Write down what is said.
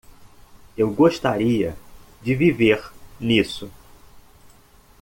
Eu gostaria de viver nisso.